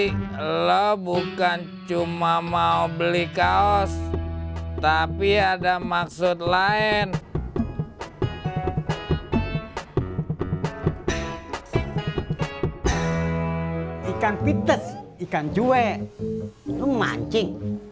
hai lo bukan cuma mau beli kaos tapi ada maksud lain ikan pites ikan cuek itu mancing